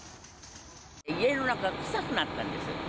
家の中、臭くなったんです。